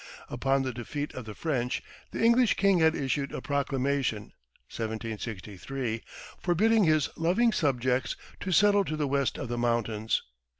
Upon the defeat of the French, the English king had issued a proclamation (1763) forbidding his "loving subjects" to settle to the west of the mountains.